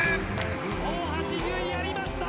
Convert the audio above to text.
大橋悠依やりました！